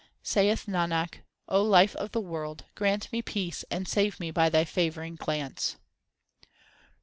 Saith Nanak, O Life of the world, grant me peace and save me by Thy favouring glance.